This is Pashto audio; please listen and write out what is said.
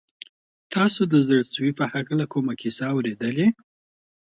تاسو د زړه سوي په هکله کومه کیسه اورېدلې ده؟